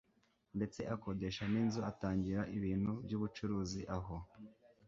ndetse akodeshayo ninzu atangira ibintu byubucuruzi aho